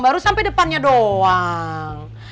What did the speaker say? baru sampai depannya doang